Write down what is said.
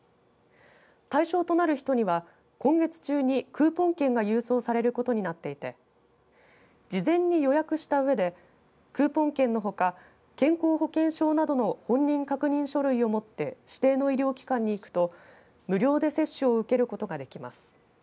対象となる人には今月中にクーポン券が郵送されることになっていて事前に予約したうえでクーポン券のほか健康保険証などの本人確認書類を持って指定の医療機関に行くと無料で接種を受けることができます。